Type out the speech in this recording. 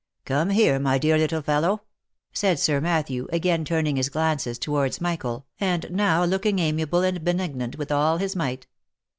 " Come here, my dear little fellow !" said Sir Matthew, again turning his glances towards Michael, and now looking amiable and benignant with all his might.